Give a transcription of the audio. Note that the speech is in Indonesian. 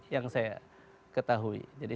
yang saya ketahui